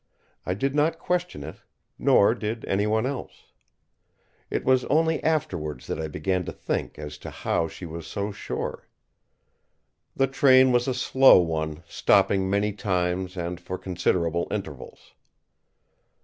I did not question it; nor did anyone else. It was only afterwards that I began to think as to how she was so sure. The train was a slow one, stopping many times and for considerable intervals.